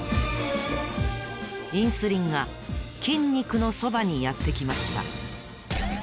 インスリンがきんにくのそばにやってきました。